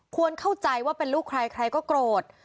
ควรเข้าใจว่าเป็นลูกใครก็โกรธ